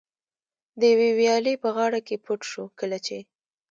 د یوې ویالې په غاړه کې پټ شو، کله چې.